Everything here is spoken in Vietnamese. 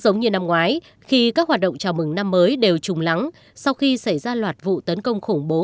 ngoái khi các hoạt động chào mừng năm mới đều trùng lắng sau khi xảy ra loạt vụ tấn công khủng bố